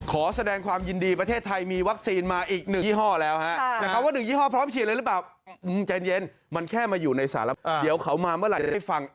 ขอแสดงความยินดีประเทศไทยมีวัคซีนมาอีกหนึ่งยี่ห้อแล้วฮะ